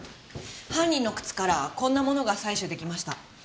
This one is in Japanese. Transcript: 犯人の靴からこんなものが採取出来ました。